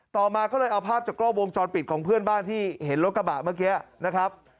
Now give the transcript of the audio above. ต่อมาก็เลยเอาภาพจากกล้อวงจรปิดของเพื่อนบ้านที่เห็นรถกระบะเมื่อกี้นะครับ